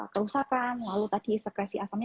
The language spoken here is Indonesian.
kerusakan lalu tadi sekresi asamnya